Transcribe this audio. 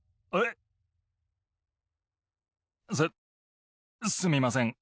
す、すみません。